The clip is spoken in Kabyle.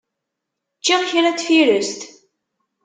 Ččiɣ kra n tfirest.